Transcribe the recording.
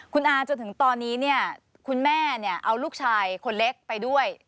คุณอาจนถึงตอนนี้เนี่ยคุณแม่เอาลูกชายคนเล็กไปด้วย